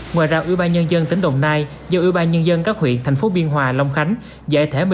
ngoài ra ưu ba nhân dân tỉnh đồng nai do ưu ba nhân dân các huyện thành phố biên hòa long khánh giải thể